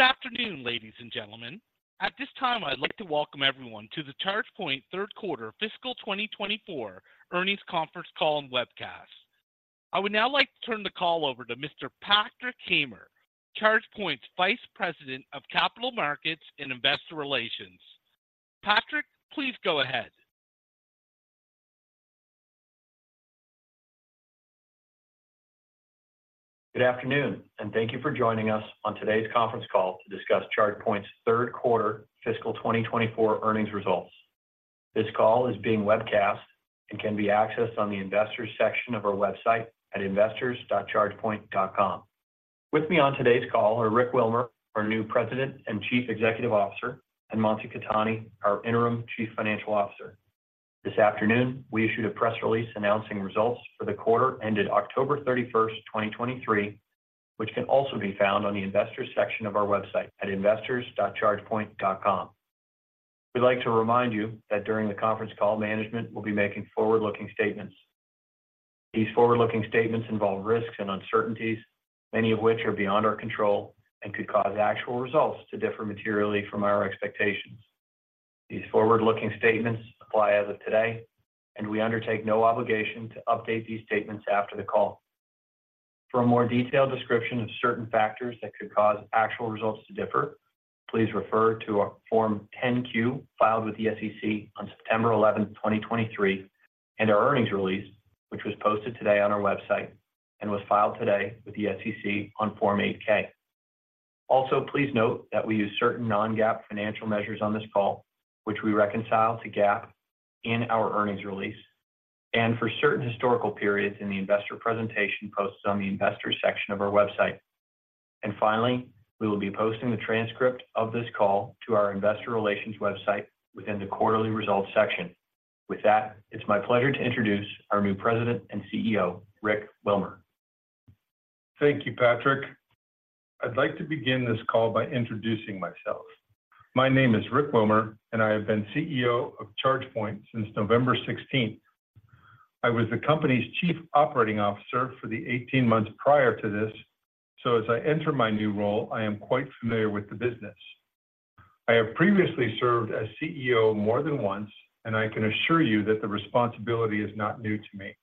Good afternoon, ladies and gentlemen. At this time, I'd like to welcome everyone to the ChargePoint third quarter fiscal 2024 earnings conference call and webcast. I would now like to turn the call over to Mr. Patrick Hamer, ChargePoint's Vice President of Capital Markets and Investor Relations. Patrick, please go ahead. Good afternoon, and thank you for joining us on today's conference call to discuss ChargePoint's third quarter fiscal 2024 earnings results. This call is being webcast and can be accessed on the Investors section of our website at investors.chargepoint.com. With me on today's call are Rick Wilmer, our new President and Chief Executive Officer, and Mansi Khetani, our Interim Chief Financial Officer. This afternoon, we issued a press release announcing results for the quarter ended October 31, 2023, which can also be found on the Investors section of our website at investors.chargepoint.com. We'd like to remind you that during the conference call, management will be making forward-looking statements. These forward-looking statements involve risks and uncertainties, many of which are beyond our control and could cause actual results to differ materially from our expectations. These forward-looking statements apply as of today, and we undertake no obligation to update these statements after the call. For a more detailed description of certain factors that could cause actual results to differ, please refer to our Form 10-Q filed with the SEC on September 11, 2023, and our earnings release, which was posted today on our website and was filed today with the SEC on Form 8-K. Also, please note that we use certain non-GAAP financial measures on this call, which we reconcile to GAAP in our earnings release and for certain historical periods in the investor presentation posted on the Investors section of our website. Finally, we will be posting the transcript of this call to our investor relations website within the Quarterly Results section. With that, it's my pleasure to introduce our new President and CEO, Rick Wilmer. Thank you, Patrick. I'd like to begin this call by introducing myself. My name is Rick Wilmer, and I have been CEO of ChargePoint since November 16. I was the company's Chief Operating Officer for the 18 months prior to this, so as I enter my new role, I am quite familiar with the business. I have previously served as CEO more than once, and I can assure you that the responsibility is not new to me.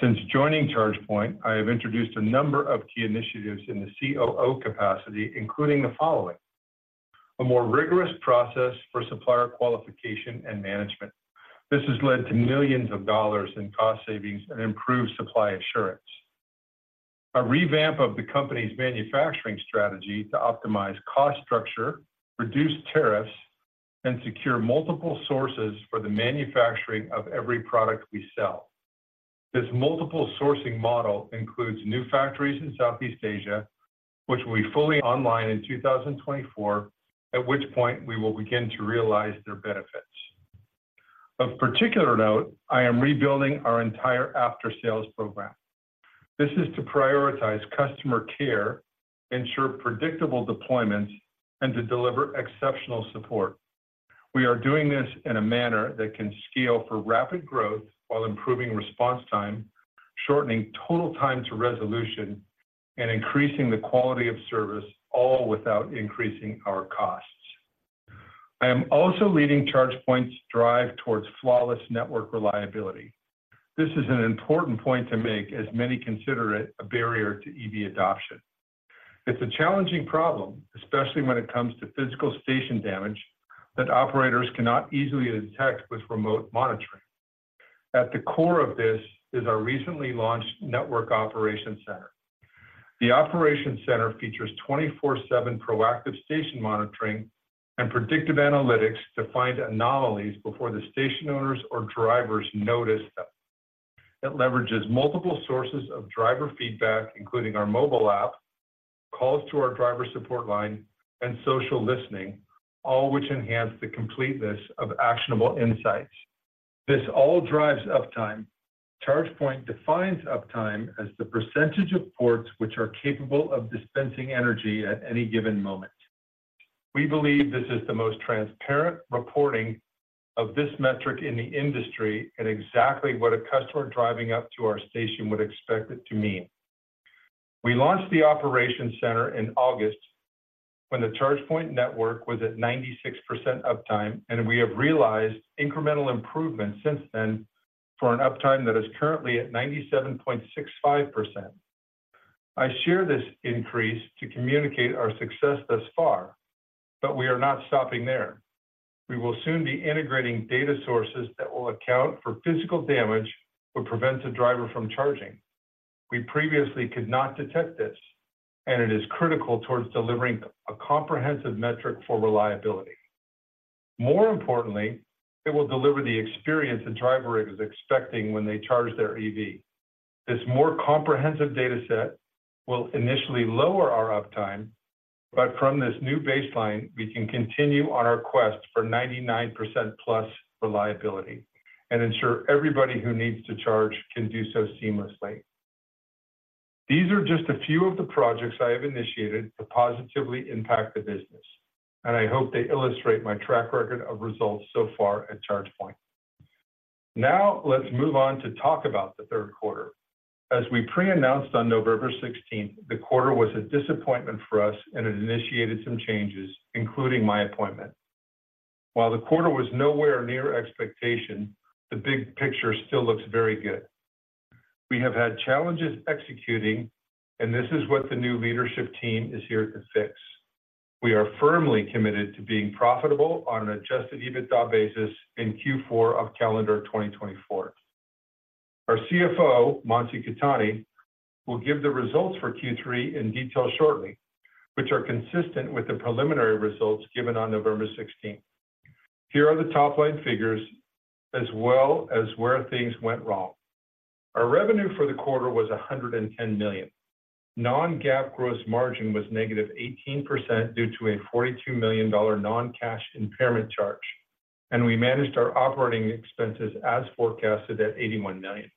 Since joining ChargePoint, I have introduced a number of key initiatives in the COO capacity, including the following: A more rigorous process for supplier qualification and management. This has led to millions of dollars in cost savings and improved supply assurance. A revamp of the company's manufacturing strategy to optimize cost structure, reduce tariffs, and secure multiple sources for the manufacturing of every product we sell. This multiple sourcing model includes new factories in Southeast Asia, which will be fully online in 2024, at which point we will begin to realize their benefits. Of particular note, I am rebuilding our entire after-sales program. This is to prioritize customer care, ensure predictable deployments, and to deliver exceptional support. We are doing this in a manner that can scale for rapid growth while improving response time, shortening total time to resolution, and increasing the quality of service, all without increasing our costs. I am also leading ChargePoint's drive towards flawless network reliability. This is an important point to make, as many consider it a barrier to EV adoption. It's a challenging problem, especially when it comes to physical station damage that operators cannot easily detect with remote monitoring. At the core of this is our recently launched network operations center. The operations center features 24/7 proactive station monitoring and predictive analytics to find anomalies before the station owners or drivers notice them. It leverages multiple sources of driver feedback, including our mobile app, calls to our driver support line, and social listening, all which enhance the completeness of actionable insights. This all drives uptime. ChargePoint defines uptime as the percentage of ports which are capable of dispensing energy at any given moment. We believe this is the most transparent reporting of this metric in the industry and exactly what a customer driving up to our station would expect it to mean. We launched the operations center in August, when the ChargePoint network was at 96% uptime, and we have realized incremental improvements since then for an uptime that is currently at 97.65%. I share this increase to communicate our success thus far, but we are not stopping there. We will soon be integrating data sources that will account for physical damage, which prevents a driver from charging. We previously could not detect this, and it is critical towards delivering a comprehensive metric for reliability. More importantly, it will deliver the experience the driver is expecting when they charge their EV. This more comprehensive data set will initially lower our uptime, but from this new baseline, we can continue on our quest for 99%+ reliability and ensure everybody who needs to charge can do so seamlessly. These are just a few of the projects I have initiated to positively impact the business, and I hope they illustrate my track record of results so far at ChargePoint. Now let's move on to talk about the third quarter. As we pre-announced on November sixteenth, the quarter was a disappointment for us and it initiated some changes, including my appointment. While the quarter was nowhere near expectation, the big picture still looks very good. We have had challenges executing, and this is what the new leadership team is here to fix. We are firmly committed to being profitable on an Adjusted EBITDA basis in Q4 of calendar 2024. Our CFO, Mansi Khetani, will give the results for Q3 in detail shortly, which are consistent with the preliminary results given on November sixteenth. Here are the top-line figures, as well as where things went wrong. Our revenue for the quarter was $110 million. Non-GAAP gross margin was -18% due to a $42 million non-cash impairment charge, and we managed our operating expenses as forecasted at $81 million.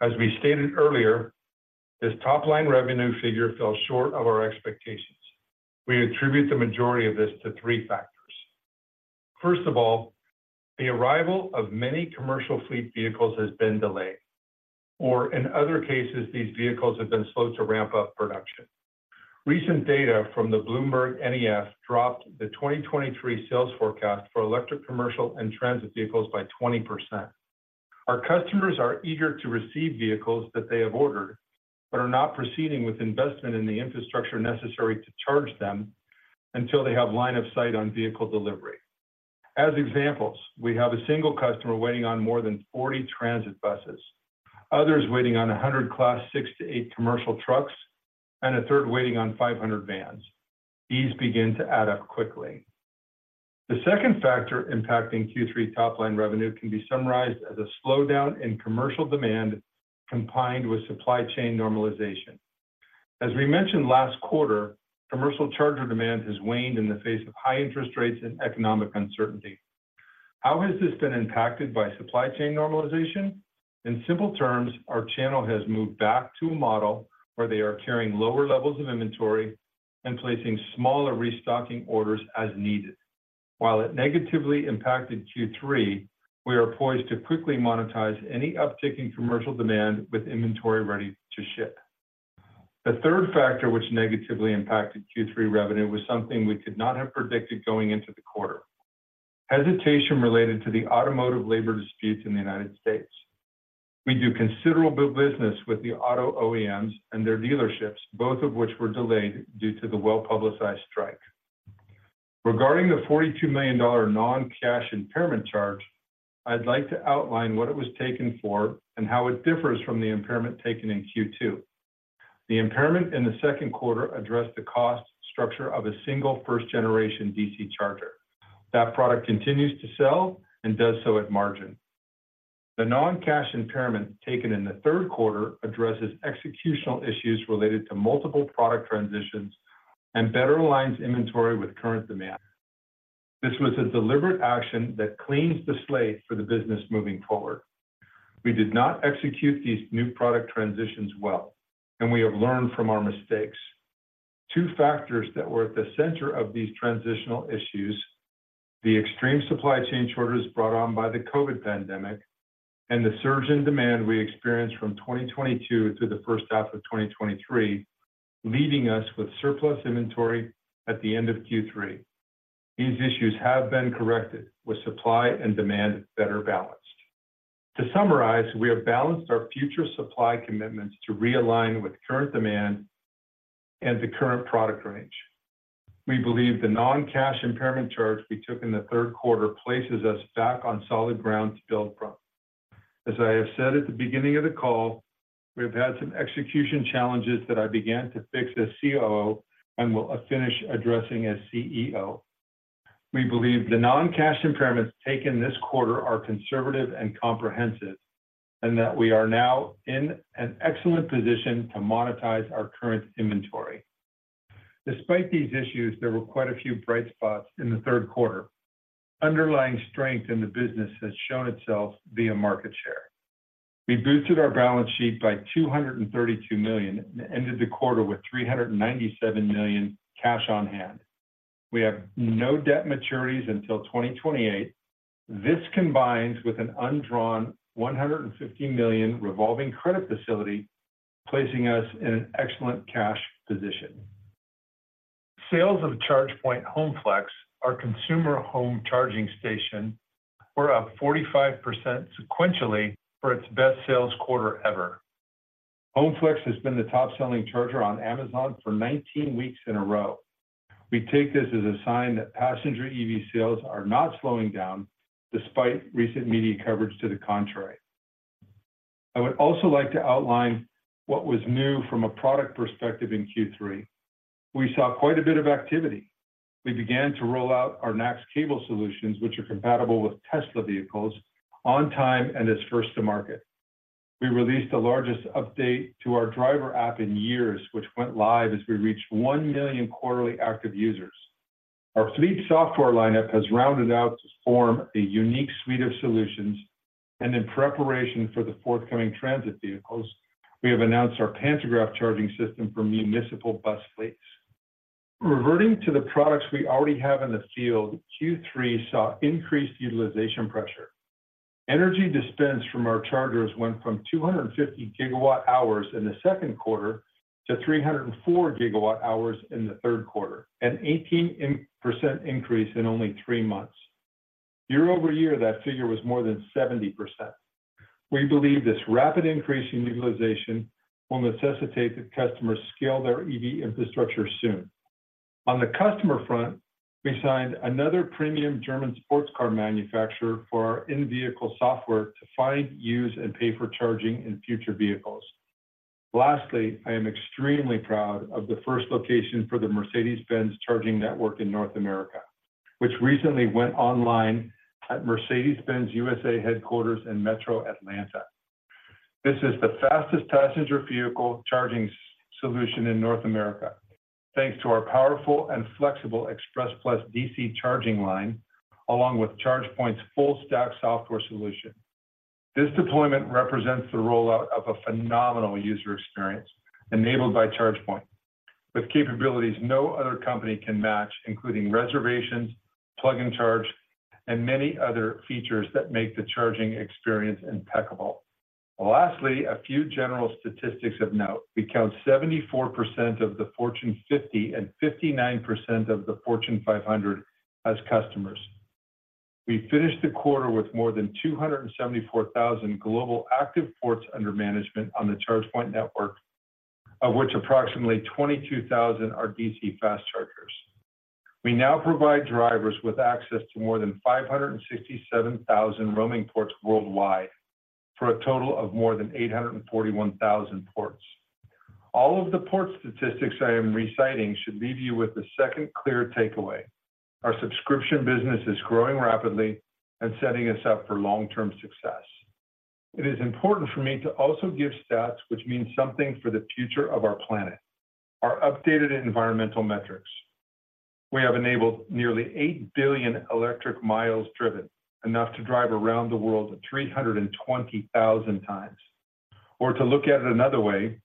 As we stated earlier, this top-line revenue figure fell short of our expectations. We attribute the majority of this to three factors. First of all, the arrival of many commercial fleet vehicles has been delayed, or in other cases, these vehicles have been slow to ramp up production. Recent data from the BloombergNEF dropped the 2023 sales forecast for electric, commercial, and transit vehicles by 20%. Our customers are eager to receive vehicles that they have ordered, but are not proceeding with investment in the infrastructure necessary to charge them until they have line of sight on vehicle delivery. As examples, we have a single customer waiting on more than 40 transit buses, others waiting on 100 Class 6-8 commercial trucks, and a third waiting on 500 vans. These begin to add up quickly. The second factor impacting Q3 top-line revenue can be summarized as a slowdown in commercial demand, combined with supply chain normalization. As we mentioned last quarter, commercial charger demand has waned in the face of high interest rates and economic uncertainty. How has this been impacted by supply chain normalization? In simple terms, our channel has moved back to a model where they are carrying lower levels of inventory and placing smaller restocking orders as needed. While it negatively impacted Q3, we are poised to quickly monetize any uptick in commercial demand with inventory ready to ship. The third factor, which negatively impacted Q3 revenue, was something we could not have predicted going into the quarter. Hesitation related to the automotive labor disputes in the United States. We do considerable business with the auto OEMs and their dealerships, both of which were delayed due to the well-publicized strike. Regarding the $42 million non-cash impairment charge, I'd like to outline what it was taken for and how it differs from the impairment taken in Q2. The impairment in the second quarter addressed the cost structure of a single first-generation DC charger. That product continues to sell and does so at margin. The non-cash impairment taken in the third quarter addresses executional issues related to multiple product transitions and better aligns inventory with current demand. This was a deliberate action that cleans the slate for the business moving forward. We did not execute these new product transitions well, and we have learned from our mistakes. Two factors that were at the center of these transitional issues, the extreme supply chain shortages brought on by the COVID pandemic, and the surge in demand we experienced from 2022 through the first half of 2023, leaving us with surplus inventory at the end of Q3. These issues have been corrected, with supply and demand better balanced. To summarize, we have balanced our future supply commitments to realign with current demand and the current product range. We believe the non-cash impairment charge we took in the third quarter places us back on solid ground to build from. As I have said at the beginning of the call, we've had some execution challenges that I began to fix as COO and will finish addressing as CEO. We believe the non-cash impairments taken this quarter are conservative and comprehensive, and that we are now in an excellent position to monetize our current inventory. Despite these issues, there were quite a few bright spots in the third quarter. Underlying strength in the business has shown itself via market share. We boosted our balance sheet by $232 million, and ended the quarter with $397 million cash on hand. We have no debt maturities until 2028. This combines with an undrawn $150 million revolving credit facility, placing us in an excellent cash position. Sales of ChargePoint Home Flex, our consumer home charging station, were up 45% sequentially for its best sales quarter ever. Home Flex has been the top-selling charger on Amazon for 19 weeks in a row. We take this as a sign that passenger EV sales are not slowing down, despite recent media coverage to the contrary. I would also like to outline what was new from a product perspective in Q3. We saw quite a bit of activity. We began to roll out our NACS cable solutions, which are compatible with Tesla vehicles, on time and is first to market. We released the largest update to our driver app in years, which went live as we reached 1 million quarterly active users. Our fleet software lineup has rounded out to form a unique suite of solutions, and in preparation for the forthcoming transit vehicles, we have announced our pantograph charging system for municipal bus fleets.... Reverting to the products we already have in the field, Q3 saw increased utilization pressure. Energy dispensed from our chargers went from 250 GWh in the second quarter to 304 GWh in the third quarter, an 18% increase in only three months. Year-over-year, that figure was more than 70%. We believe this rapid increase in utilization will necessitate that customers scale their EV infrastructure soon. On the customer front, we signed another premium German sports car manufacturer for our in-vehicle software to find, use, and pay for charging in future vehicles. Lastly, I am extremely proud of the first location for the Mercedes-Benz charging network in North America, which recently went online at Mercedes-Benz USA headquarters in Metro Atlanta. This is the fastest passenger vehicle charging solution in North America, thanks to our powerful and flexible Express Plus DC charging line, along with ChargePoint's full stack software solution. This deployment represents the rollout of a phenomenal user experience enabled by ChargePoint, with capabilities no other company can match, including reservations, Plug and Charge, and many other features that make the charging experience impeccable. Lastly, a few general statistics of note: We count 74% of the Fortune 50 and 59% of the Fortune 500 as customers. We finished the quarter with more than 274,000 global active ports under management on the ChargePoint network, of which approximately 22,000 are DC fast chargers. We now provide drivers with access to more than 567,000 roaming ports worldwide, for a total of more than 841,000 ports. All of the port statistics I am reciting should leave you with the second clear takeaway: Our Subscription business is growing rapidly and setting us up for long-term success. It is important for me to also give stats which mean something for the future of our planet, our updated environmental metrics. We have enabled nearly 8 billion electric miles driven, enough to drive around the world 320,000 times. Or to look at it another way,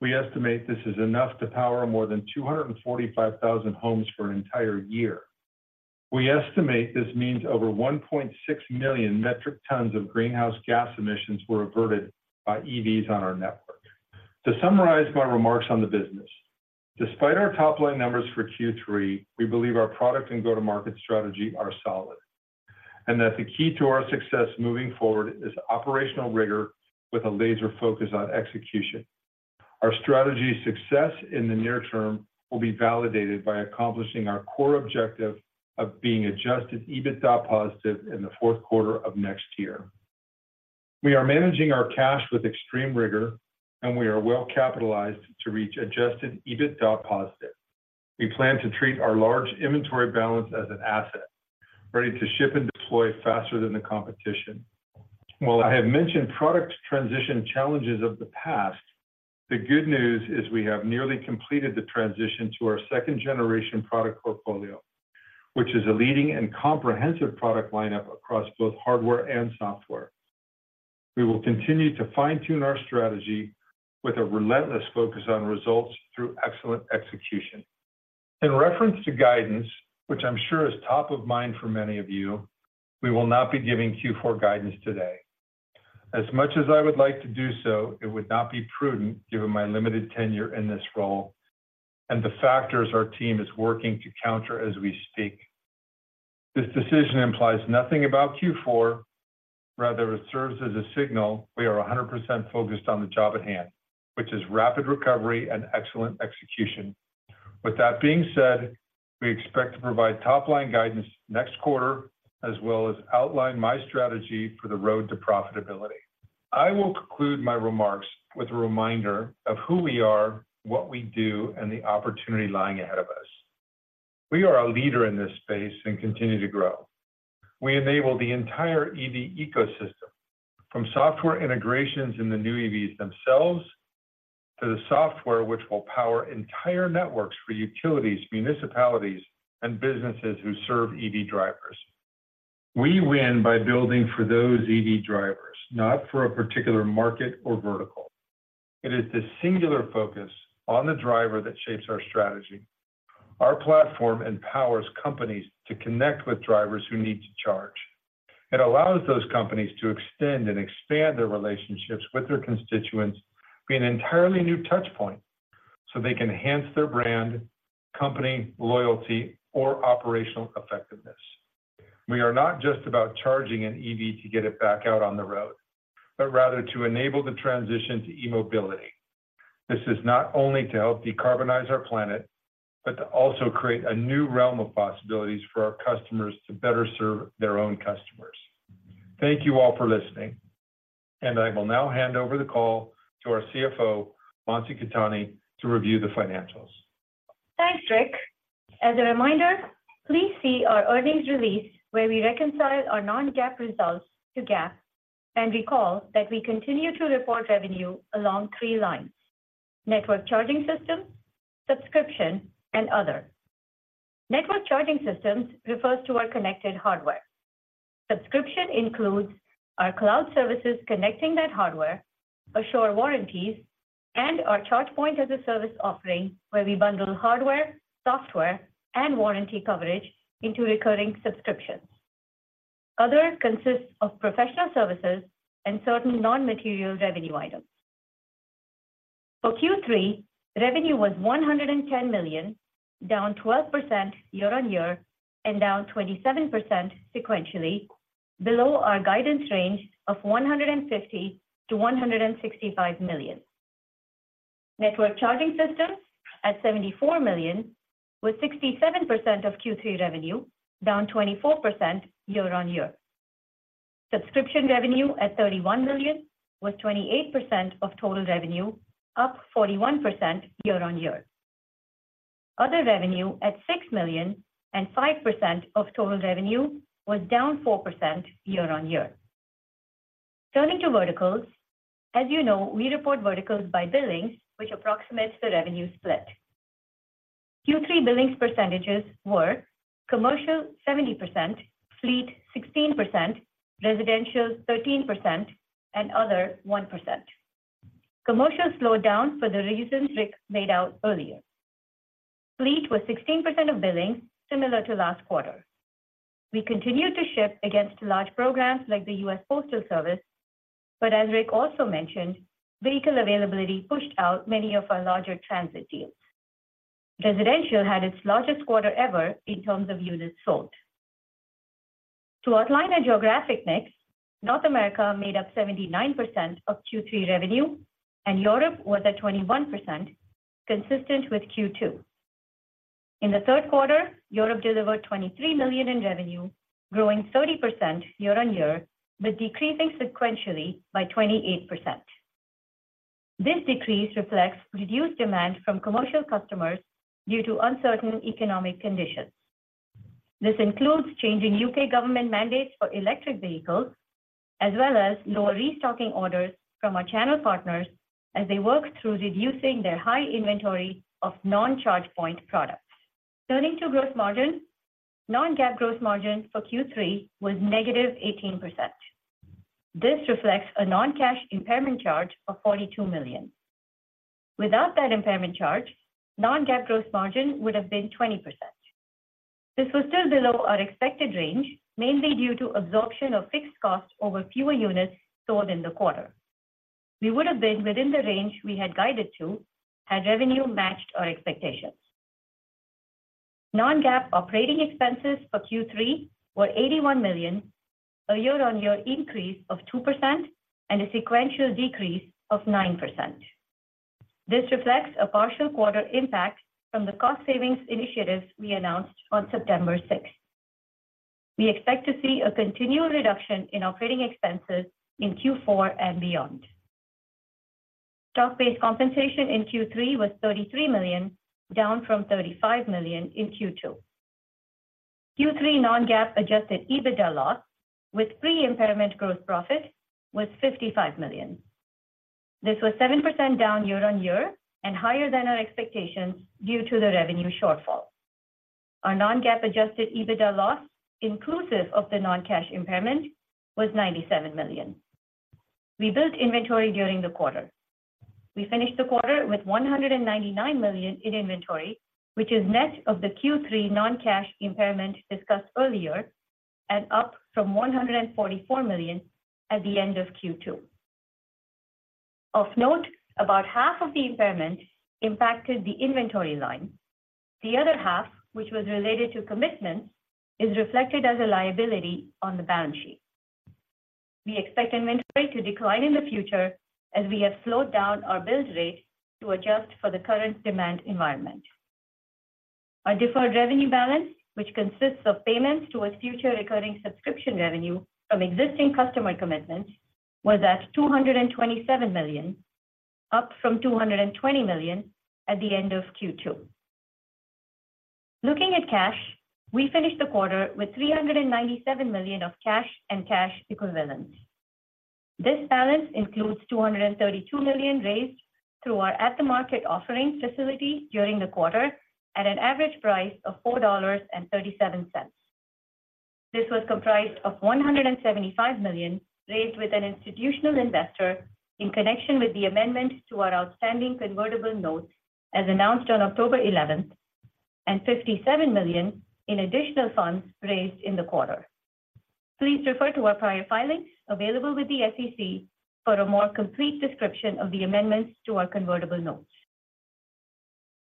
we estimate this is enough to power more than 245,000 homes for an entire year. We estimate this means over 1.6 million metric tons of greenhouse gas emissions were averted by EVs on our network. To summarize my remarks on the business, despite our top-line numbers for Q3, we believe our product and go-to-market strategy are solid, and that the key to our success moving forward is operational rigor with a laser focus on execution. Our strategy's success in the near term will be validated by accomplishing our core objective of being Adjusted EBITDA positive in the fourth quarter of next year. We are managing our cash with extreme rigor, and we are well capitalized to reach Adjusted EBITDA positive. We plan to treat our large inventory balance as an asset, ready to ship and deploy faster than the competition. While I have mentioned product transition challenges of the past, the good news is we have nearly completed the transition to our second generation product portfolio, which is a leading and comprehensive product lineup across both hardware and software. We will continue to fine-tune our strategy with a relentless focus on results through excellent execution. In reference to guidance, which I'm sure is top of mind for many of you, we will not be giving Q4 guidance today. As much as I would like to do so, it would not be prudent given my limited tenure in this role and the factors our team is working to counter as we speak. This decision implies nothing about Q4, rather, it serves as a signal we are 100% focused on the job at hand, which is rapid recovery and excellent execution. With that being said, we expect to provide top-line guidance next quarter, as well as outline my strategy for the road to profitability. I will conclude my remarks with a reminder of who we are, what we do, and the opportunity lying ahead of us. We are a leader in this space and continue to grow. We enable the entire EV ecosystem, from software integrations in the new EVs themselves, to the software which will power entire networks for utilities, municipalities, and businesses who serve EV drivers. We win by building for those EV drivers, not for a particular market or vertical. It is the singular focus on the driver that shapes our strategy. Our platform empowers companies to connect with drivers who need to charge. It allows those companies to extend and expand their relationships with their constituents, be an entirely new touchpoint, so they can enhance their brand, company, loyalty, or operational effectiveness. We are not just about charging an EV to get it back out on the road, but rather to enable the transition to e-mobility. This is not only to help decarbonize our planet, but to also create a new realm of possibilities for our customers to better serve their own customers. Thank you all for listening, and I will now hand over the call to our CFO, Mansi Khetani, to review the financials. Thanks, Rick. As a reminder, please see our earnings release where we reconcile our non-GAAP results to GAAP, and recall that we continue to report revenue along three lines: Network Charging System, Subscription, and other. Network Charging Systems refers to our connected hardware. Subscription includes our cloud services connecting that hardware, assure warranties, and our ChargePoint as a Service offering, where we bundle hardware, software, and warranty coverage into recurring subscriptions. Other consists of professional services and certain non-material revenue items. For Q3, revenue was $110 million, down 12% year-on-year, and down 27% sequentially, below our guidance range of $150 million-$165 million. Network Charging Systems at $74 million, was 67% of Q3 revenue, down 24% year-on-year. Subscription revenue at $31 million, was 28% of total revenue, up 41% year-on-year. Other revenue, at $6 million and 5% of total revenue, was down 4% year-on-year. Turning to verticals, as you know, we report verticals by billings, which approximates the revenue split. Q3 billings percentages were: commercial, 70%; fleet, 16%; residential, 13%; and other, 1%. Commercial slowed down for the reasons Rick laid out earlier. Fleet was 16% of billings, similar to last quarter. We continued to ship against large programs like the U.S. Postal Service, but as Rick also mentioned, vehicle availability pushed out many of our larger transit deals. Residential had its largest quarter ever in terms of units sold. To outline our geographic mix, North America made up 79% of Q3 revenue, and Europe was at 21%, consistent with Q2. In the third quarter, Europe delivered $23 million in revenue, growing 30% year-on-year, but decreasing sequentially by 28%. This decrease reflects reduced demand from commercial customers due to uncertain economic conditions. This includes changing U.K. government mandates for electric vehicles, as well as lower restocking orders from our channel partners as they work through reducing their high inventory of non-ChargePoint products. Turning to gross margin. Non-GAAP gross margin for Q3 was negative 18%. This reflects a non-cash impairment charge of $42 million. Without that impairment charge, non-GAAP gross margin would have been 20%. This was still below our expected range, mainly due to absorption of fixed costs over fewer units sold in the quarter. We would have been within the range we had guided to, had revenue matched our expectations. Non-GAAP operating expenses for Q3 were $81 million, a year-over-year increase of 2% and a sequential decrease of 9%. This reflects a partial quarter impact from the cost savings initiatives we announced on September sixth. We expect to see a continual reduction in operating expenses in Q4 and beyond. Stock-based compensation in Q3 was $33 million, down from $35 million in Q2. Q3 non-GAAP adjusted EBITDA loss with pre-impairment gross profit was $55 million. This was 7% down year-on-year and higher than our expectations due to the revenue shortfall. Our non-GAAP adjusted EBITDA loss, inclusive of the non-cash impairment, was $97 million. We built inventory during the quarter. We finished the quarter with $199 million in inventory, which is net of the Q3 non-cash impairment discussed earlier and up from $144 million at the end of Q2. Of note, about half of the impairment impacted the inventory line. The other half, which was related to commitments, is reflected as a liability on the balance sheet. We expect inventory to decline in the future as we have slowed down our build rate to adjust for the current demand environment. Our deferred revenue balance, which consists of payments towards future recurring subscription revenue from existing customer commitments, was at $227 million, up from $220 million at the end of Q2. Looking at cash, we finished the quarter with $397 million of cash and cash equivalents. This balance includes $232 million raised through our at-the-market offerings facility during the quarter at an average price of $4.37. This was comprised of $175 million, raised with an institutional investor in connection with the amendment to our outstanding convertible notes, as announced on October 11, and $57 million in additional funds raised in the quarter. Please refer to our prior filings available with the SEC for a more complete description of the amendments to our convertible notes.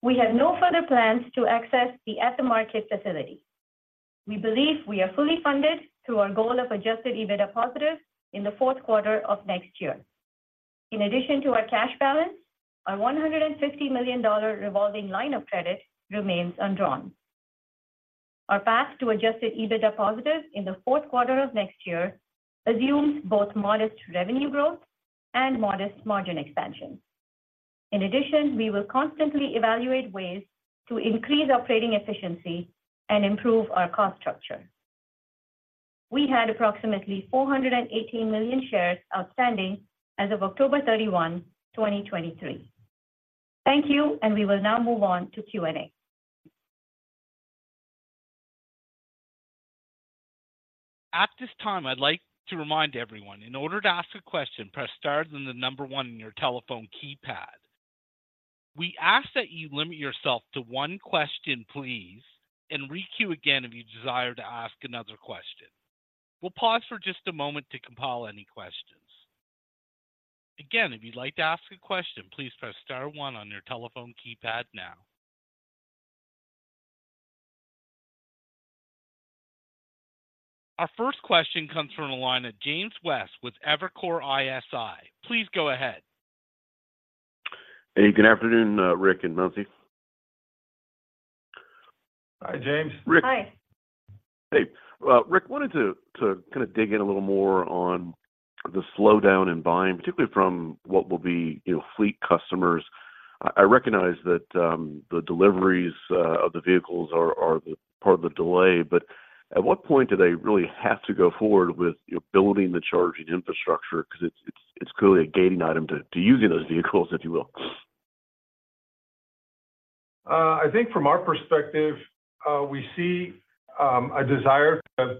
We have no further plans to access the at-the-market facility. We believe we are fully funded through our goal of Adjusted EBITDA positive in the fourth quarter of next year. In addition to our cash balance, our $150 million revolving line of credit remains undrawn. Our path to Adjusted EBITDA positive in the fourth quarter of next year assumes both modest revenue growth and modest margin expansion. In addition, we will constantly evaluate ways to increase operating efficiency and improve our cost structure.... We had approximately 418 million shares outstanding as of October 31, 2023. Thank you, and we will now move on to Q&A. At this time, I'd like to remind everyone, in order to ask a question, press star then the number one in your telephone keypad. We ask that you limit yourself to one question, please, and re-queue again if you desire to ask another question. We'll pause for just a moment to compile any questions. Again, if you'd like to ask a question, please press star one on your telephone keypad now. Our first question comes from the line of James West with Evercore ISI. Please go ahead. Hey, good afternoon, Rick and Mansi. Hi, James. Hi. Hey, Rick, wanted to kinda dig in a little more on the slowdown in buying, particularly from what will be, you know, fleet customers. I recognize that the deliveries of the vehicles are the part of the delay, but at what point do they really have to go forward with building the charging infrastructure? 'Cause it's clearly a gating item to using those vehicles, if you will. I think from our perspective, we see a desire to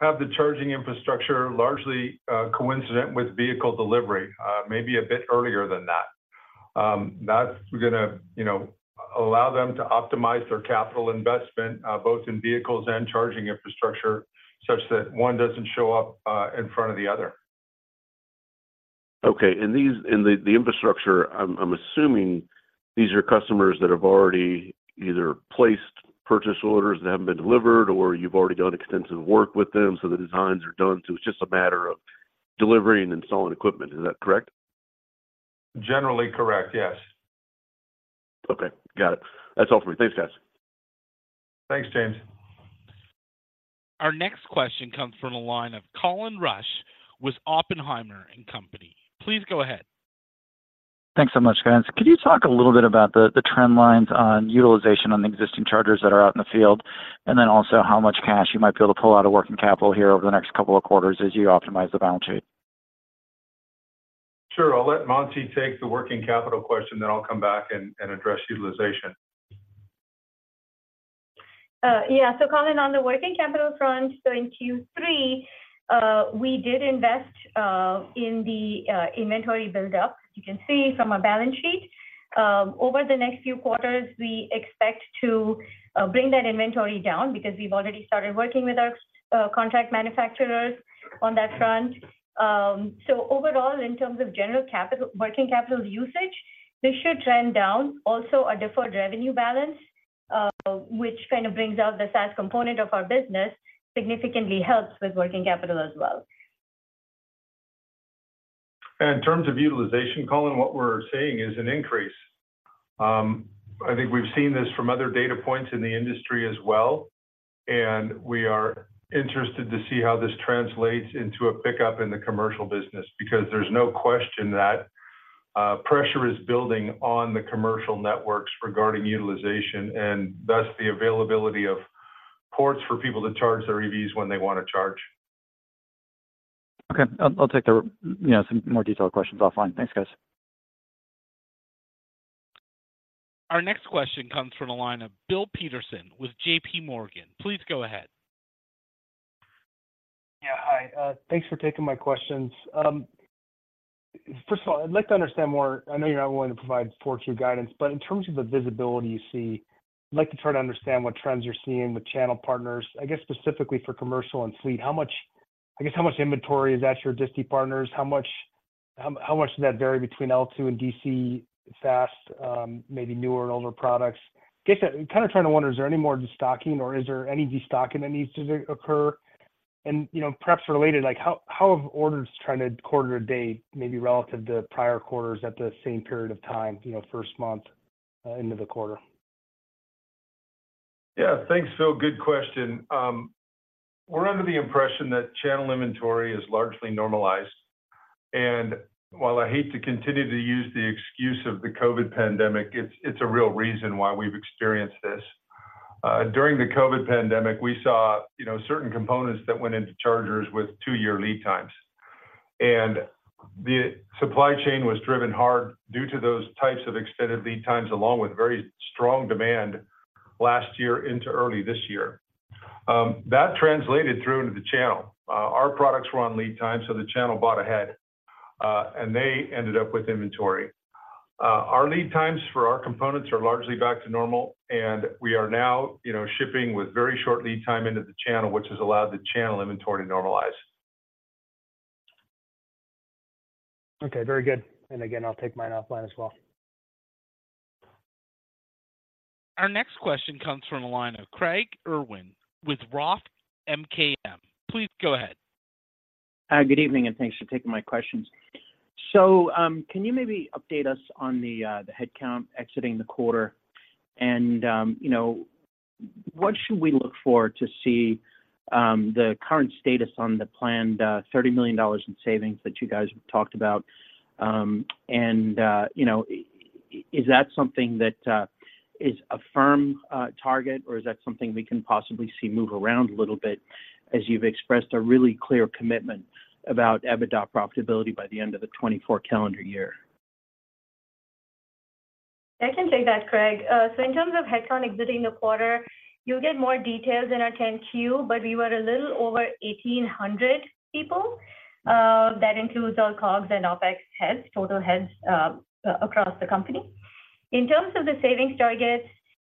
have the charging infrastructure largely coincident with vehicle delivery, maybe a bit earlier than that. That's gonna, you know, allow them to optimize their capital investment both in vehicles and charging infrastructure, such that one doesn't show up in front of the other. Okay, and the infrastructure, I'm assuming these are customers that have already either placed purchase orders that haven't been delivered, or you've already done extensive work with them, so the designs are done, so it's just a matter of delivering and installing equipment. Is that correct? Generally correct, yes. Okay, got it. That's all for me. Thanks, guys. Thanks, James. Our next question comes from the line of Colin Rusch with Oppenheimer and Company. Please go ahead. Thanks so much, guys. Could you talk a little bit about the trend lines on utilization on the existing chargers that are out in the field, and then also how much cash you might be able to pull out of working capital here over the next couple of quarters as you optimize the balance sheet? Sure. I'll let Mansi take the working capital question, then I'll come back and address utilization. Yeah, so Colin, on the working capital front, so in Q3, we did invest in the inventory buildup. You can see from our balance sheet. Over the next few quarters, we expect to bring that inventory down because we've already started working with our contract manufacturers on that front. So overall, in terms of general capital working capital usage, this should trend down. Also, our deferred revenue balance, which kind of brings out the SaaS component of our business, significantly helps with working capital as well. In terms of utilization, Colin, what we're seeing is an increase. I think we've seen this from other data points in the industry as well, and we are interested to see how this translates into a pickup in the commercial business. Because there's no question that pressure is building on the commercial networks regarding utilization, and thus the availability of ports for people to charge their EVs when they want to charge. Okay. I'll take the, you know, some more detailed questions offline. Thanks, guys. Our next question comes from the line of Bill Peterson with JPMorgan. Please go ahead. Yeah, hi. Thanks for taking my questions. First of all, I'd like to understand more... I know you're not willing to provide forward guidance, but in terms of the visibility you see, I'd like to try to understand what trends you're seeing with channel partners. I guess, specifically for commercial and fleet, how much—I guess, how much inventory is at your disti partners? How much does that vary between L2 and DC fast, maybe newer and older products? I guess, I'm kinda trying to wonder, is there any more destocking, or is there any destocking that needs to occur? And, you know, perhaps related, like, how have orders trended quarter to date, maybe relative to prior quarters at the same period of time, you know, first month into the quarter? Yeah. Thanks, Bill. Good question. We're under the impression that channel inventory is largely normalized. And while I hate to continue to use the excuse of the COVID pandemic, it's a real reason why we've experienced this. During the COVID pandemic, we saw, you know, certain components that went into chargers with two-year lead times. And the supply chain was driven hard due to those types of extended lead times, along with very strong demand last year into early this year. That translated through into the channel. Our products were on lead time, so the channel bought ahead, and they ended up with inventory. Our lead times for our components are largely back to normal, and we are now, you know, shipping with very short lead time into the channel, which has allowed the channel inventory to normalize. Okay, very good. And again, I'll take mine offline as well. Our next question comes from the line of Craig Irwin with Roth MKM. Please go ahead. Good evening, and thanks for taking my questions. So, can you maybe update us on the headcount exiting the quarter? And, you know, what should we look for to see the current status on the planned $30 million in savings that you guys talked about? And, you know, i-... Is that something that is a firm target, or is that something we can possibly see move around a little bit, as you've expressed a really clear commitment about EBITDA profitability by the end of the 2024 calendar year? I can take that, Craig. So in terms of headcount exiting the quarter, you'll get more details in our 10-Q, but we were a little over 1,800 people. That includes our COGS and OpEx heads, total heads, across the company. In terms of the savings targets,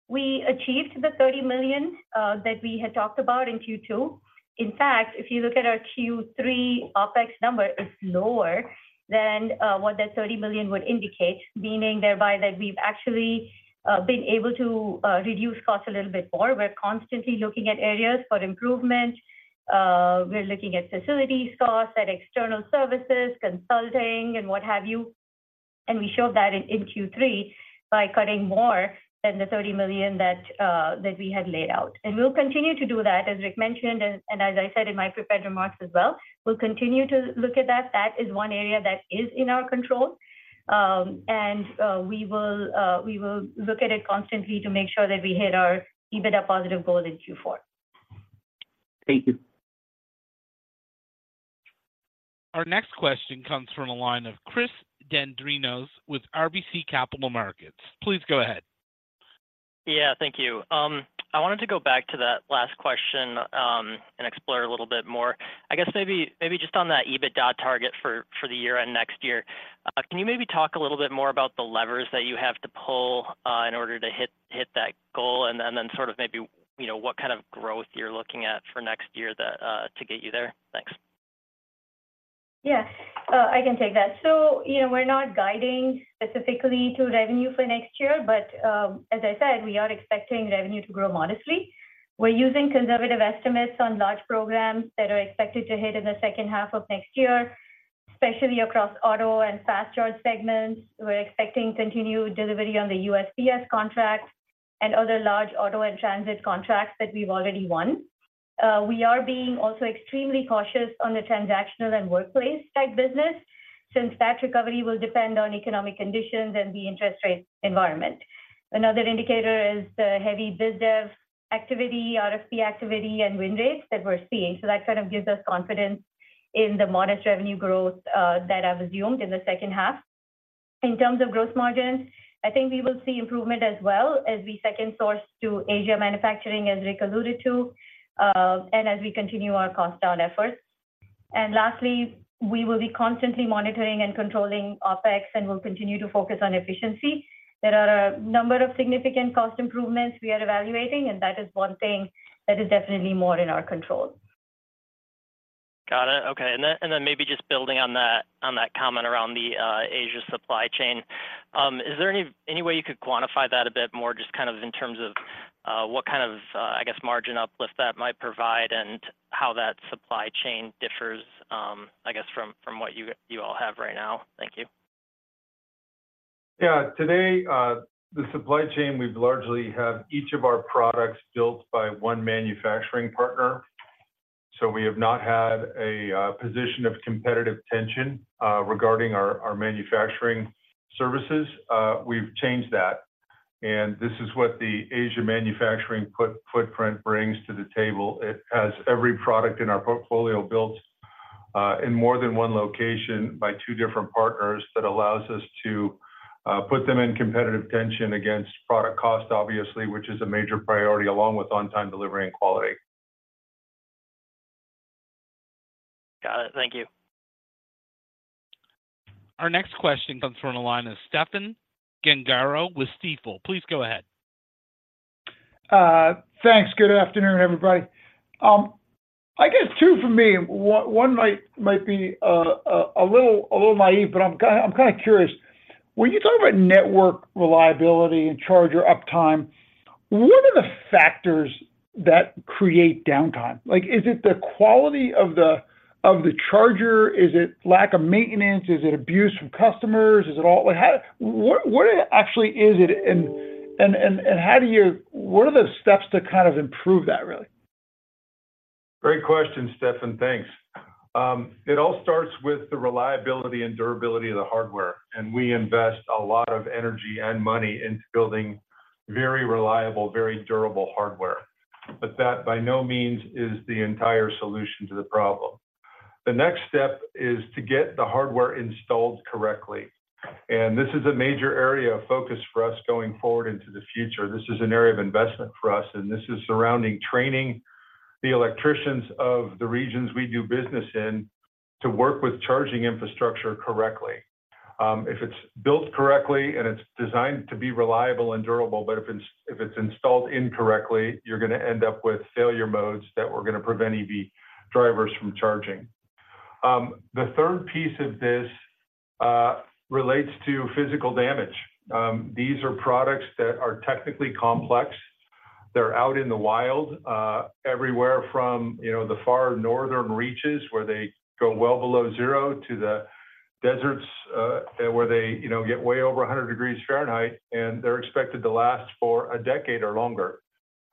we achieved the $30 million that we had talked about in Q2. In fact, if you look at our Q3, OpEx number is lower than what that $30 million would indicate, meaning thereby that we've actually been able to reduce costs a little bit more. We're constantly looking at areas for improvement. We're looking at facilities, outsourced, at external services, consulting, and what have you. We showed that in Q3 by cutting more than the $30 million that we had laid out. We'll continue to do that, as Rick mentioned, and as I said in my prepared remarks as well. We'll continue to look at that. That is one area that is in our control, and we will look at it constantly to make sure that we hit our EBITDA positive goal in Q4. Thank you. Our next question comes from the line of Chris Dendrinos with RBC Capital Markets. Please go ahead. Yeah, thank you. I wanted to go back to that last question and explore a little bit more. I guess maybe just on that EBITDA target for the year and next year. Can you maybe talk a little bit more about the levers that you have to pull in order to hit that goal? And then sort of maybe, you know, what kind of growth you're looking at for next year that to get you there? Thanks. Yeah. I can take that. So, you know, we're not guiding specifically to revenue for next year, but, as I said, we are expecting revenue to grow modestly. We're using conservative estimates on large programs that are expected to hit in the second half of next year, especially across auto and fast charge segments. We're expecting continued delivery on the USPS contract and other large auto and transit contracts that we've already won. We are being also extremely cautious on the transactional and workplace type business, since that recovery will depend on economic conditions and the interest rate environment. Another indicator is the heavy biz dev activity, RFP activity, and win rates that we're seeing. So that kind of gives us confidence in the modest revenue growth, that I've assumed in the second half. In terms of growth margins, I think we will see improvement as well as we second source to Asia manufacturing, as Rick alluded to, and as we continue our cost down efforts. And lastly, we will be constantly monitoring and controlling OpEx, and we'll continue to focus on efficiency. There are a number of significant cost improvements we are evaluating, and that is one thing that is definitely more in our control. Got it. Okay. And then, and then maybe just building on that, on that comment around the Asia supply chain. Is there any, any way you could quantify that a bit more, just kind of in terms of what kind of, I guess, margin uplift that might provide, and how that supply chain differs, I guess from, from what you, you all have right now? Thank you. Yeah. Today, the supply chain, we've largely have each of our products built by one manufacturing partner, so we have not had a position of competitive tension regarding our manufacturing services. We've changed that, and this is what the Asia manufacturing footprint brings to the table. It has every product in our portfolio built in more than one location by two different partners. That allows us to put them in competitive tension against product cost, obviously, which is a major priority, along with on-time delivery and quality. Got it. Thank you. Our next question comes from the line of Stephen Gengaro with Stifel. Please go ahead. Thanks. Good afternoon, everybody. I guess two for me. One might be a little naive, but I'm kinda curious. When you talk about network reliability and charger uptime, what are the factors that create downtime? Like, is it the quality of the charger? Is it lack of maintenance? Is it abuse from customers? Is it all? Like, how, what actually is it, and how do you, what are the steps to kind of improve that, really? Great question, Stephen. Thanks. It all starts with the reliability and durability of the hardware, and we invest a lot of energy and money into building very reliable, very durable hardware. But that, by no means, is the entire solution to the problem. The next step is to get the hardware installed correctly, and this is a major area of focus for us going forward into the future. This is an area of investment for us, and this is surrounding training the electricians of the regions we do business in to work with charging infrastructure correctly. If it's built correctly and it's designed to be reliable and durable, but if it's installed incorrectly, you're gonna end up with failure modes that we're gonna prevent EV drivers from charging. The third piece of this relates to physical damage. These are products that are technically complex. They're out in the wild, everywhere from, you know, the far northern reaches, where they go well below zero, to the deserts, where they, you know, get way over 100 degrees Fahrenheit, and they're expected to last for a decade or longer.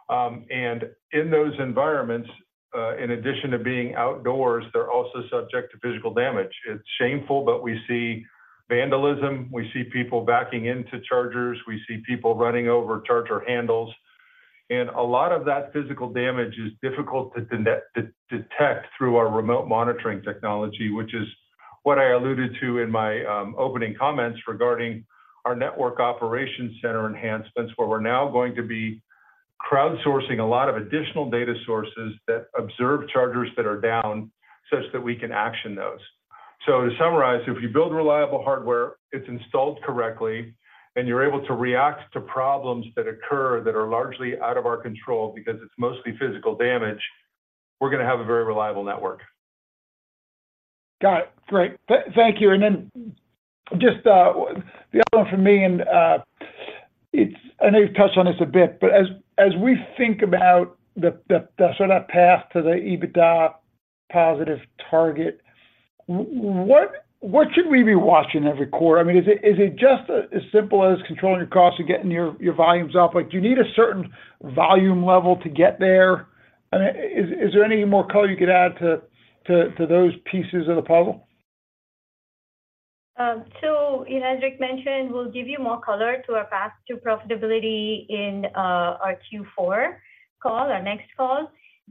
And in those environments, in addition to being outdoors, they're also subject to physical damage. It's shameful, but we see vandalism, we see people backing into chargers, we see people running over charger handles, and a lot of that physical damage is difficult to detect through our remote monitoring technology, which is what I alluded to in my opening comments regarding our network operations center enhancements, where we're now going to be crowdsourcing a lot of additional data sources that observe chargers that are down such that we can action those. To summarize, if you build reliable hardware, it's installed correctly, and you're able to react to problems that occur that are largely out of our control because it's mostly physical damage, we're gonna have a very reliable network. Got it. Great. Thank you, and then just the other one for me, and it's, I know you've touched on this a bit, but as we think about the sort of path to the EBITDA positive target, what should we be watching every quarter? I mean, is it just as simple as controlling your costs and getting your volumes up? Like, do you need a certain volume level to get there? And is there any more color you could add to those pieces of the puzzle? So as Rick mentioned, we'll give you more color to our path to profitability in our Q4 call, our next call.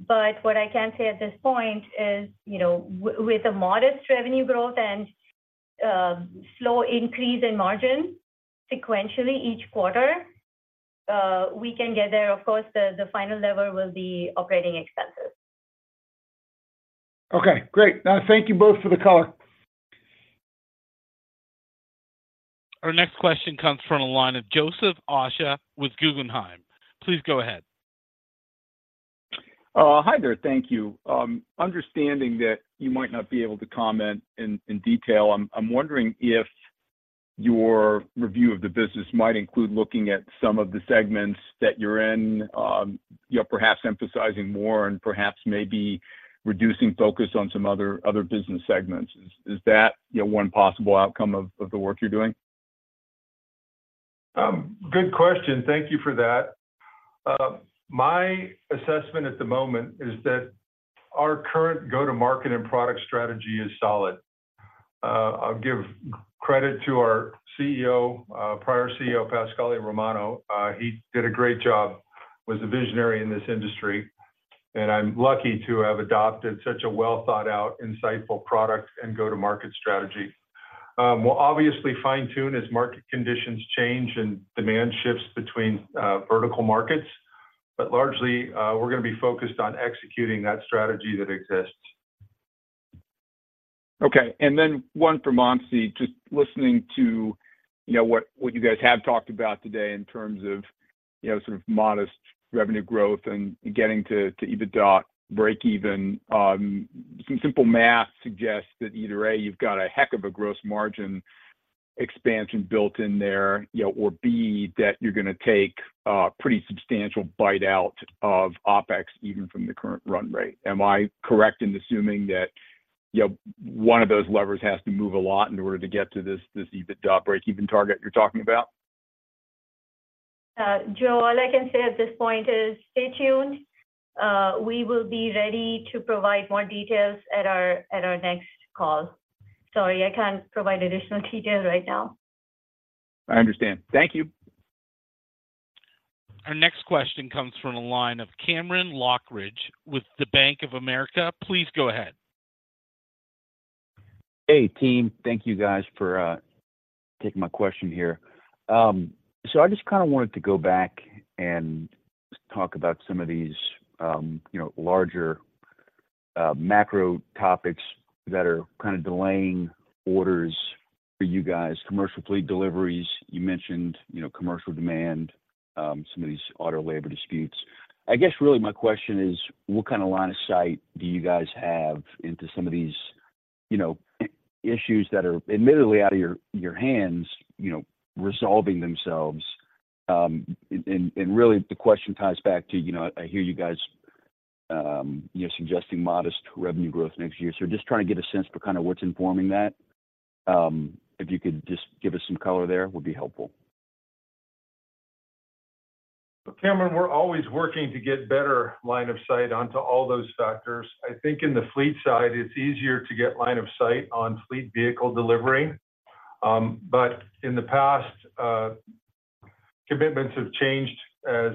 But what I can say at this point is, you know, with a modest revenue growth and slow increase in margin sequentially each quarter, we can get there. Of course, the final lever will be operating expenses. Okay, great. Thank you both for the color. Our next question comes from the line of Joseph Osha with Guggenheim. Please go ahead. Hi there. Thank you. Understanding that you might not be able to comment in detail, I'm wondering if your review of the business might include looking at some of the segments that you're in, you know, perhaps emphasizing more and perhaps maybe reducing focus on some other business segments. Is that, you know, one possible outcome of the work you're doing? Good question. Thank you for that. My assessment at the moment is that our current go-to-market and product strategy is solid. I'll give credit to our CEO, prior CEO, Pasquale Romano. He did a great job, was a visionary in this industry, and I'm lucky to have adopted such a well-thought-out, insightful product and go-to-market strategy. We'll obviously fine-tune as market conditions change and demand shifts between vertical markets. But largely, we're gonna be focused on executing that strategy that exists. Okay, and then one for Mansi. Just listening to, you know, what, what you guys have talked about today in terms of, you know, sort of modest revenue growth and getting to, to EBITDA breakeven, some simple math suggests that either, A, you've got a heck of a gross margin expansion built in there, you know, or B, that you're gonna take a pretty substantial bite out of OpEx, even from the current run rate. Am I correct in assuming that, you know, one of those levers has to move a lot in order to get to this, this EBITDA breakeven target you're talking about? Joe, all I can say at this point is stay tuned. We will be ready to provide more details at our next call. Sorry, I can't provide additional details right now. I understand. Thank you. Our next question comes from the line of Cameron Lochridge with the Bank of America. Please go ahead. Hey, team. Thank you, guys, for taking my question here. So I just kinda wanted to go back and talk about some of these, you know, larger macro topics that are kind of delaying orders for you guys, commercial fleet deliveries. You mentioned, you know, commercial demand, some of these auto labor disputes. I guess really my question is, what kind of line of sight do you guys have into some of these, you know, issues that are admittedly out of your hands, you know, resolving themselves? And really, the question ties back to, you know, I hear you guys, you know, suggesting modest revenue growth next year. So just trying to get a sense for kind of what's informing that. If you could just give us some color there, would be helpful. Cameron, we're always working to get better line of sight onto all those factors. I think in the fleet side, it's easier to get line of sight on fleet vehicle delivery. But in the past, commitments have changed as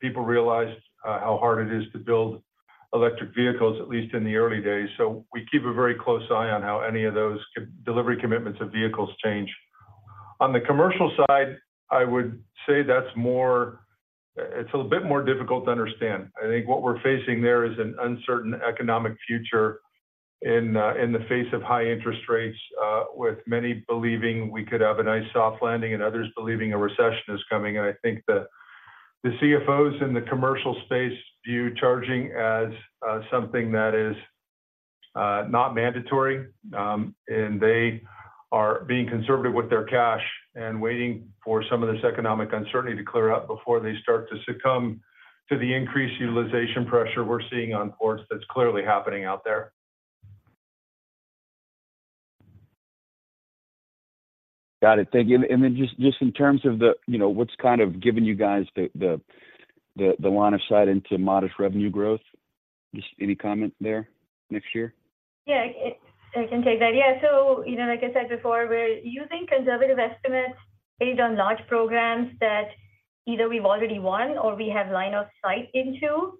people realized how hard it is to build electric vehicles, at least in the early days. So we keep a very close eye on how any of those delivery commitments of vehicles change. On the commercial side, I would say that's more... It's a bit more difficult to understand. I think what we're facing there is an uncertain economic future in the face of high interest rates, with many believing we could have a nice soft landing and others believing a recession is coming. I think the CFOs in the commercial space view charging as something that is not mandatory. They are being conservative with their cash and waiting for some of this economic uncertainty to clear up before they start to succumb to the increased utilization pressure we're seeing on ports that's clearly happening out there. ... Got it. Thank you. And then just in terms of the, you know, what's kind of giving you guys the line of sight into modest revenue growth? Just any comment there next year? Yeah, I can take that. Yeah. So, you know, like I said before, we're using conservative estimates based on large programs that either we've already won or we have line of sight into,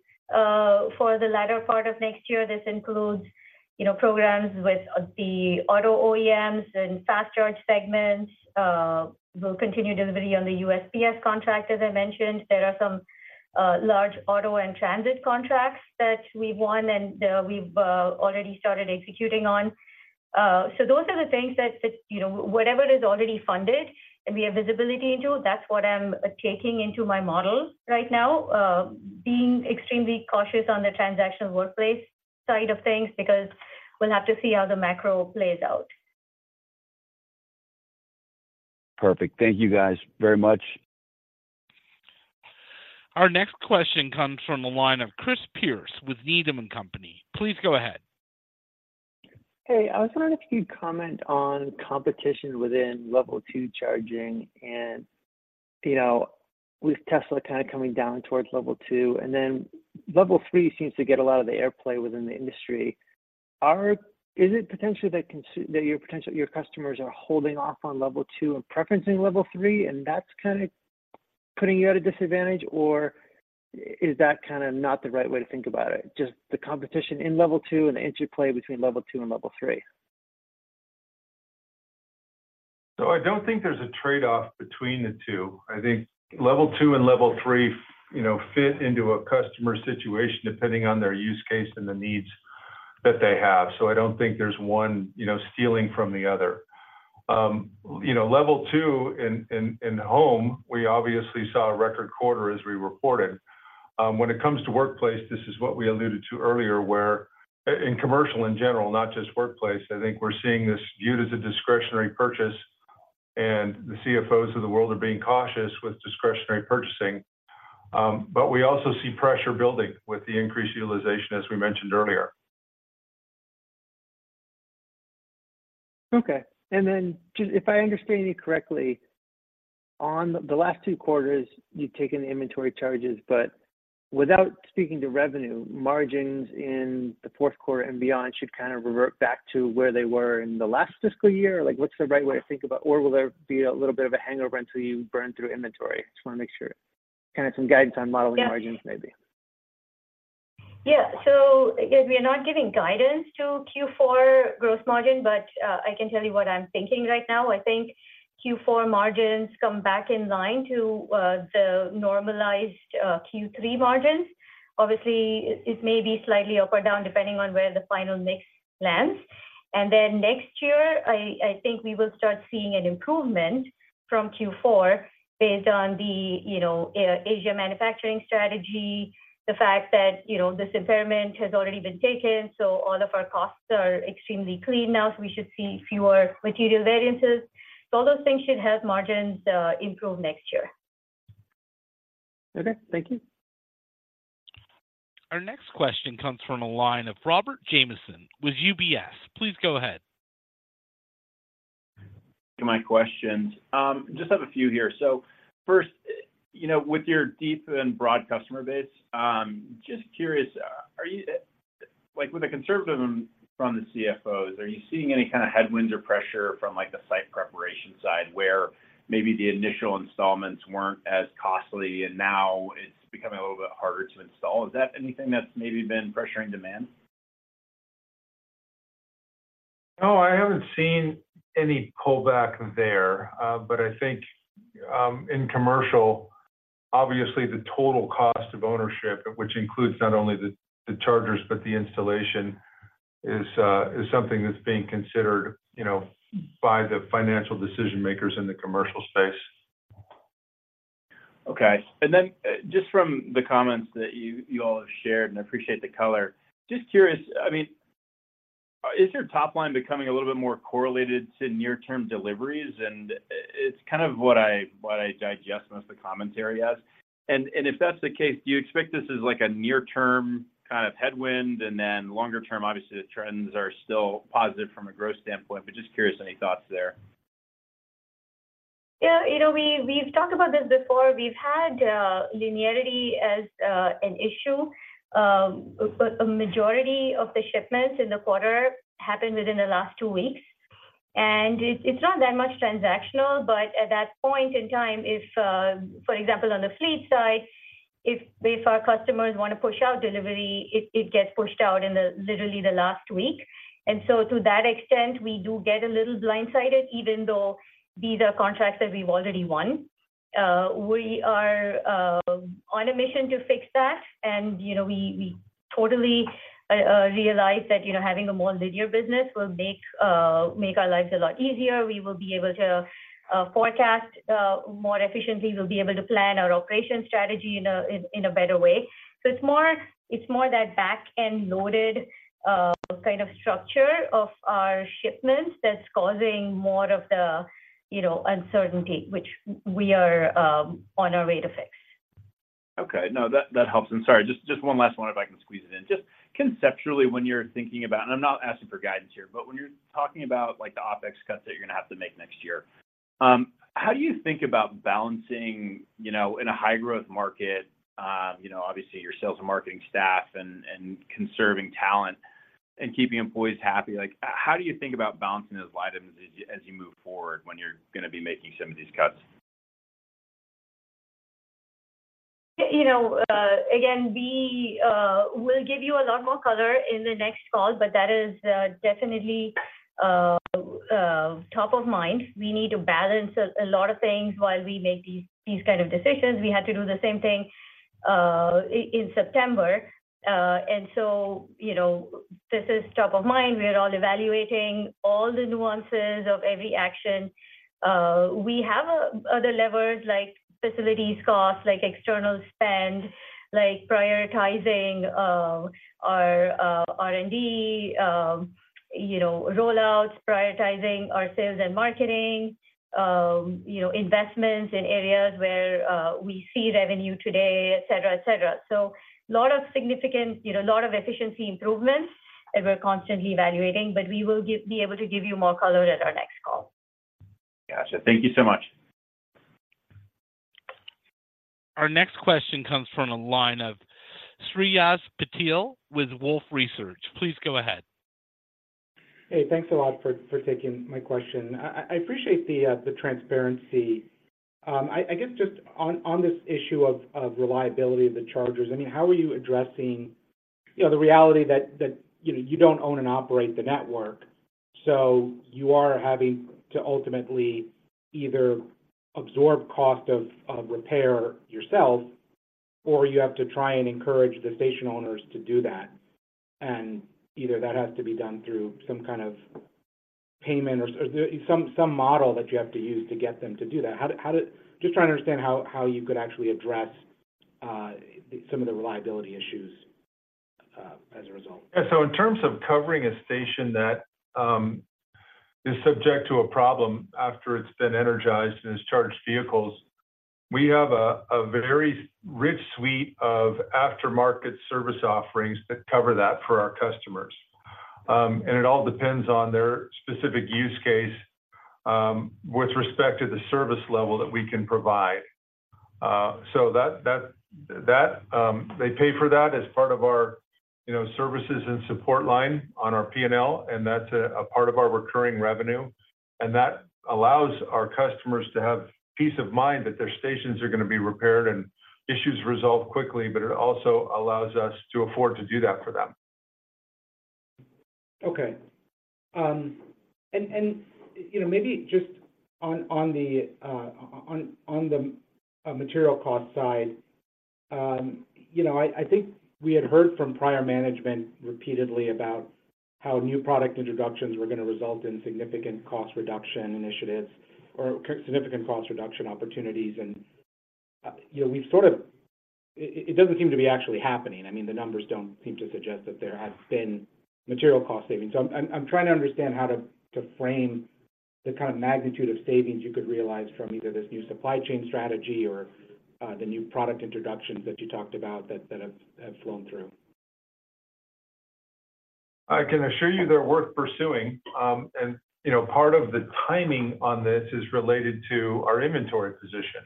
for the latter part of next year. This includes, you know, programs with the auto OEMs and fast charge segments. We'll continue delivery on the USPS contract. As I mentioned, there are some large auto and transit contracts that we've won and we've already started executing on. So those are the things that, you know, whatever is already funded and we have visibility into, that's what I'm taking into my model right now. Being extremely cautious on the transactional workplace side of things, because we'll have to see how the macro plays out. Perfect. Thank you guys very much. Our next question comes from the line of Chris Pierce with Needham and Company. Please go ahead. Hey, I was wondering if you'd comment on competition within level two charging. And, you know, with Tesla kind of coming down towards level two, and then level three seems to get a lot of the airplay within the industry. Is it potentially that your potential, your customers are holding off on level two and preferencing level three, and that's kind of putting you at a disadvantage? Or is that kind of not the right way to think about it? Just the competition in level two and the interplay between level two and level three. So I don't think there's a trade-off between the two. I think level two and level three, you know, fit into a customer situation depending on their use case and the needs that they have. So I don't think there's one, you know, stealing from the other. You know, level two in home, we obviously saw a record quarter as we reported. When it comes to workplace, this is what we alluded to earlier, where in commercial, in general, not just workplace, I think we're seeing this viewed as a discretionary purchase, and the CFOs of the world are being cautious with discretionary purchasing. But we also see pressure building with the increased utilization, as we mentioned earlier. Okay. Then just if I understand you correctly, on the last two quarters, you've taken the inventory charges, but without speaking to revenue, margins in the fourth quarter and beyond should kind of revert back to where they were in the last fiscal year? Like, what's the right way to think about, or will there be a little bit of a hangover until you burn through inventory? Just want to make sure. Kind of some guidance on modeling margins, maybe. Yeah. So again, we are not giving guidance to Q4 gross margin, but I can tell you what I'm thinking right now. I think Q4 margins come back in line to the normalized Q3 margins. Obviously, it may be slightly up or down, depending on where the final mix lands. And then next year, I think we will start seeing an improvement from Q4 based on the, you know, Asia manufacturing strategy, the fact that, you know, this impairment has already been taken, so all of our costs are extremely clean now, so we should see fewer material variances. So all those things should help margins improve next year. Okay, thank you. Our next question comes from a line of Robert Jamieson with UBS. Please go ahead. My questions. Just have a few here. So first, you know, with your deep and broad customer base, just curious, are you—like, with the conservatism from the CFOs, are you seeing any kind of headwinds or pressure from, like, the site preparation side, where maybe the initial installments weren't as costly, and now it's becoming a little bit harder to install? Is that anything that's maybe been pressuring demand? No, I haven't seen any pullback there, but I think, in commercial, obviously, the total cost of ownership, which includes not only the chargers, but the installation, is something that's being considered, you know, by the financial decision makers in the commercial space. Okay. And then just from the comments that you all have shared, and I appreciate the color. Just curious, I mean, is your top line becoming a little bit more correlated to near-term deliveries? And it's kind of what I digest most of the commentary as. And if that's the case, do you expect this as, like, a near-term kind of headwind, and then longer term, obviously, the trends are still positive from a growth standpoint, but just curious, any thoughts there? Yeah, you know, we've talked about this before. We've had linearity as an issue. A majority of the shipments in the quarter happened within the last two weeks, and it's not that much transactional, but at that point in time, if, for example, on the fleet side, if our customers want to push out delivery, it gets pushed out in literally the last week. And so to that extent, we do get a little blindsided, even though these are contracts that we've already won. We are on a mission to fix that, and, you know, we totally realize that, you know, having a more linear business will make our lives a lot easier. We will be able to forecast more efficiently. We'll be able to plan our operation strategy in a better way. So it's more, it's more that back-end loaded kind of structure of our shipments that's causing more of the, you know, uncertainty, which we are on our way to fix.... Okay. No, that, that helps. And sorry, just, just one last one, if I can squeeze it in. Just conceptually, when you're thinking about, and I'm not asking for guidance here, but when you're talking about, like, the OpEx cuts that you're gonna have to make next year, how do you think about balancing, you know, in a high-growth market, you know, obviously, your sales and marketing staff and, and conserving talent and keeping employees happy? Like, how do you think about balancing those items as you, as you move forward when you're gonna be making some of these cuts? You know, again, we will give you a lot more color in the next call, but that is definitely top of mind. We need to balance a lot of things while we make these kind of decisions. We had to do the same thing in September. And so, you know, this is top of mind. We're all evaluating all the nuances of every action. We have other levers like facilities cost, like external spend, like prioritizing our R&D, you know, rollouts, prioritizing our sales and marketing, you know, investments in areas where we see revenue today, et cetera, et cetera. So a lot of significant, you know, a lot of efficiency improvements that we're constantly evaluating, but we will be able to give you more color at our next call. Gotcha. Thank you so much. Our next question comes from the line of Shreyas Patil with Wolfe Research. Please go ahead. Hey, thanks a lot for taking my question. I appreciate the transparency. I guess just on this issue of reliability of the chargers, I mean, how are you addressing, you know, the reality that you know, you don't own and operate the network? So you are having to ultimately either absorb cost of repair yourself, or you have to try and encourage the station owners to do that. And either that has to be done through some kind of payment or some model that you have to use to get them to do that. How do just trying to understand how you could actually address some of the reliability issues as a result. Yeah, so in terms of covering a station that is subject to a problem after it's been energized and has charged vehicles, we have a very rich suite of aftermarket service offerings that cover that for our customers. It all depends on their specific use case with respect to the service level that we can provide. So that they pay for that as part of our, you know, services and support line on our P&L, and that's a part of our recurring revenue. That allows our customers to have peace of mind that their stations are gonna be repaired and issues resolved quickly, but it also allows us to afford to do that for them. Okay. And you know, maybe just on the material cost side, you know, I think we had heard from prior management repeatedly about how new product introductions were gonna result in significant cost reduction initiatives or significant cost reduction opportunities. And you know, we've sort of... it doesn't seem to be actually happening. I mean, the numbers don't seem to suggest that there have been material cost savings. So I'm trying to understand how to frame the kind of magnitude of savings you could realize from either this new supply chain strategy or the new product introductions that you talked about that have flown through. I can assure you they're worth pursuing. And, you know, part of the timing on this is related to our inventory position.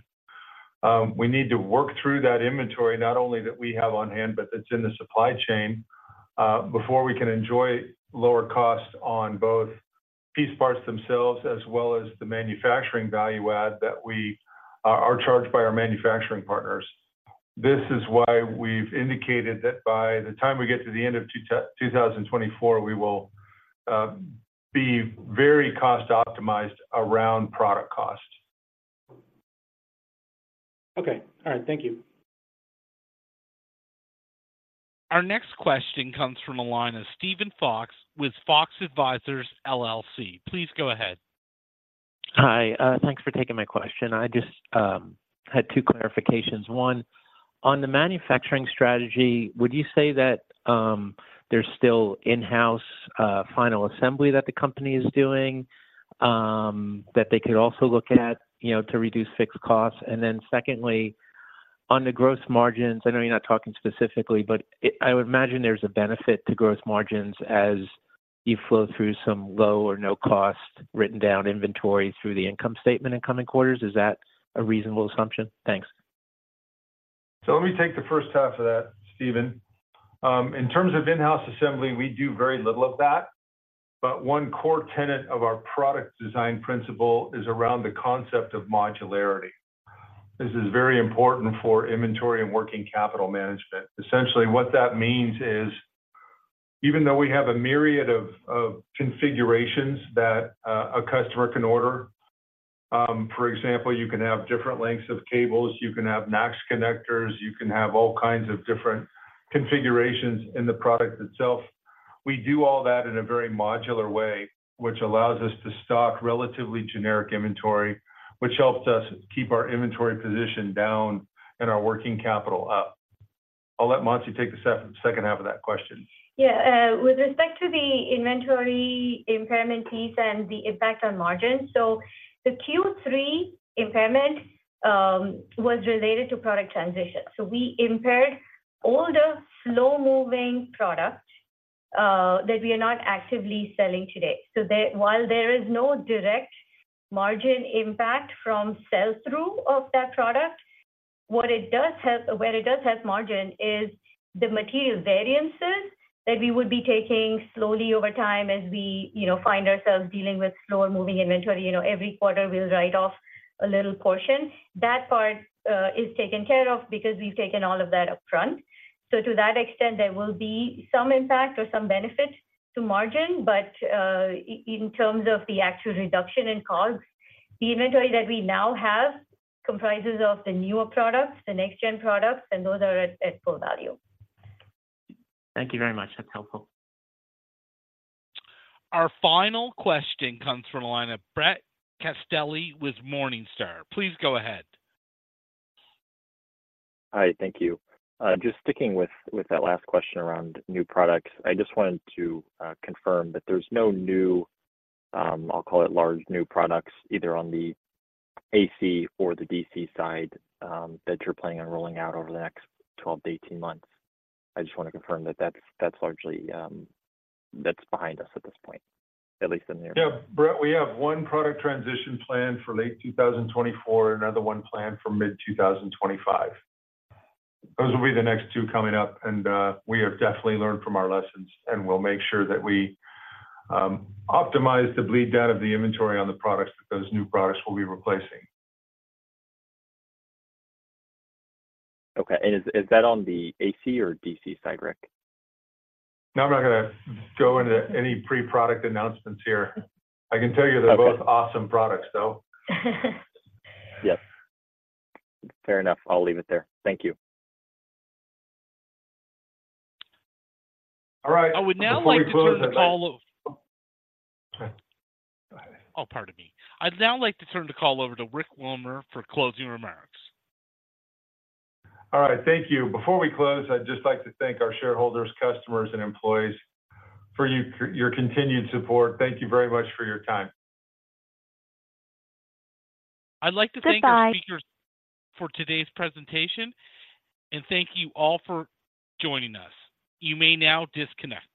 We need to work through that inventory, not only that we have on hand, but that's in the supply chain, before we can enjoy lower costs on both piece parts themselves, as well as the manufacturing value add that we are, are charged by our manufacturing partners. This is why we've indicated that by the time we get to the end of 2024, we will be very cost-optimized around product cost. Okay. All right, thank you. Our next question comes from a line of Steven Fox, with Fox Advisors LLC. Please go ahead. Hi. Thanks for taking my question. I just had two clarifications. One, on the manufacturing strategy, would you say that there's still in-house final assembly that the company is doing that they could also look at, you know, to reduce fixed costs? And then secondly, on the gross margins, I know you're not talking specifically, but I would imagine there's a benefit to gross margins as you flow through some low or no cost, written-down inventory through the income statement in coming quarters. Is that a reasonable assumption? Thanks. So let me take the first half of that, Steven. In terms of in-house assembly, we do very little of that, but one core tenet of our product design principle is around the concept of modularity. This is very important for inventory and working capital management. Essentially, what that means is, even though we have a myriad of configurations that a customer can order, for example, you can have different lengths of cables, you can have NACS connectors, you can have all kinds of different configurations in the product itself. We do all that in a very modular way, which allows us to stock relatively generic inventory, which helps us keep our inventory position down and our working capital up. I'll let Mansi take the second, second half of that question. Yeah, with respect to the inventory impairment fees and the impact on margins, so the Q3 impairment was related to product transition. So we impaired all the slow-moving product that we are not actively selling today. So while there is no direct margin impact from sell-through of that product, what it does help, where it does help margin is the material variances that we would be taking slowly over time as we, you know, find ourselves dealing with slower moving inventory. You know, every quarter we'll write off a little portion. That part is taken care of because we've taken all of that upfront. So to that extent, there will be some impact or some benefit to margin, but in terms of the actual reduction in costs, the inventory that we now have comprises of the newer products, the next gen products, and those are at full value. Thank you very much. That's helpful. Our final question comes from the line of Brett Castelli with Morningstar. Please go ahead. Hi, thank you. Just sticking with that last question around new products, I just wanted to confirm that there's no new, I'll call it large new products, either on the AC or the DC side, that you're planning on rolling out over the next 12-18 months. I just want to confirm that that's largely behind us at this point, at least in the near- Yeah, Brett, we have one product transition planned for late 2024, another one planned for mid 2025. Those will be the next two coming up, and we have definitely learned from our lessons, and we'll make sure that we optimize the bleed down of the inventory on the products that those new products will be replacing. Okay. And is that on the AC or DC side, Rick? No, I'm not gonna go into any pre-product announcements here. Okay. I can tell you they're both awesome products, though. Yes. Fair enough. I'll leave it there. Thank you. All right. I would now like to turn the call over- Before we close- Oh, pardon me. I'd now like to turn the call over to Rick Wilmer for closing remarks. All right, thank you. Before we close, I'd just like to thank our shareholders, customers, and employees for your continued support. Thank you very much for your time. I'd like to thank our speakers. Goodbye... for today's presentation, and thank you all for joining us. You may now disconnect.